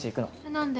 何で？